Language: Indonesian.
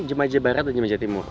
jemaja barat dan jemaja timur